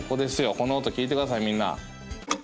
この音聴いてくださいみんな。